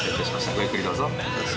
ごゆっくりどうぞ。